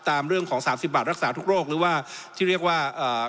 ตามเรื่องของ๓๐บาทรักษาทุกโรคหรือว่าที่เรียกว่า